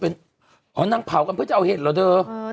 อ๋อนั่งเผากันเพื่อจะเอาเห็ดเหรอเถอะ